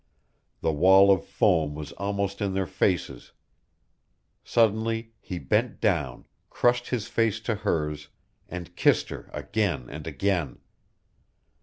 The wall of foam was almost in their faces. Suddenly he bent down, crushed his face to hers, and kissed her again and again.